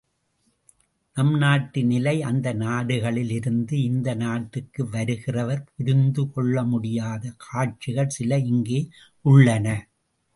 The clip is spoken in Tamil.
நம் நாட்டு நிலை அந்த நாடுகளிலிருந்து இந்த நாட்டுக்கு வருகிறவர் புரிந்துகொள்ளமுடியாத காட்சிகள் சில இங்கே உள்ளன.